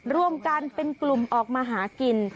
ร่วมกันเป็นกลุ่มออกมาหากิน